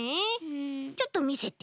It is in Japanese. ちょっとみせて。